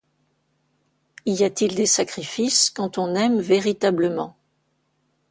Y a-t-il des sacrifices quand on aime véritablement?